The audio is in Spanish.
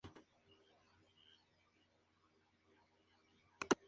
Página oficial de la Confederación Sudamericana de Voleibol